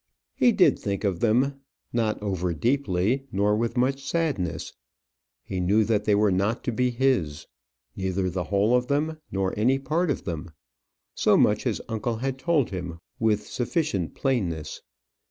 He did think of them not over deeply, nor with much sadness. He knew that they were not to be his; neither the whole of them, nor any part of them. So much his uncle had told him with sufficient plainness.